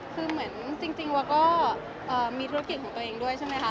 คือเหมือนจริงวัวก็มีธุรกิจของตัวเองด้วยใช่ไหมคะ